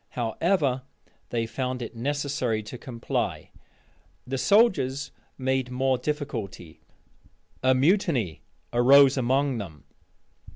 However, they found it necessary to comply. The soldiers made more difficulty. A mutiny arose among them.